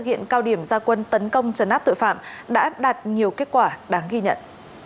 các đối tượng cao điểm gia quân tấn công trần áp tội phạm đã đạt nhiều kết quả đáng ghi nhận